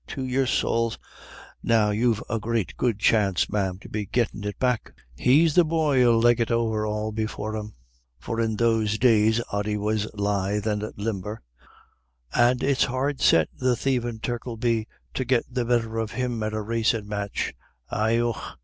To your sowls! Now you've a great good chance, ma'am, to be gettin' it back. He's the boy 'ill leg it over all before him" for in those days Ody was lithe and limber "and it's hard set the thievin' Turk 'ill be to get the better of him at a racin' match Hi Och."